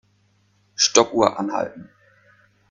Stoppuhr anhalten.